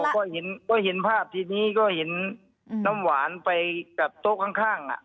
ก็เห็นภาพทีนี้ก็เห็นน้ำหวานไปกับโต๊ะข้าง